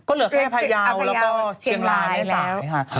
ก็เหลือแค่พายาวแล้วก็เชียงรายนี่แหละค่ะ